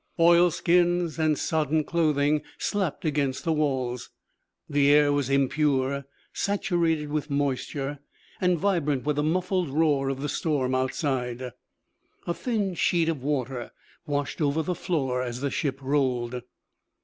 Oil skins and sodden clothing slapped against the walls. The air was impure, saturated with moisture, and vibrant with the muffled roar of the storm outside. A thin sheet of water washed over the floor as the ship rolled.